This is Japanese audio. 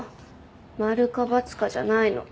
○か×かじゃないの。